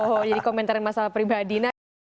oh jadi komentari masalah pribadi